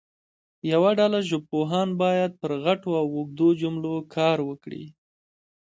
یوه ډله ژبپوهان باید پر غټو او اوږدو جملو کار وکړي.